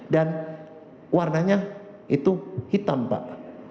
dan warnanya itu hitam pak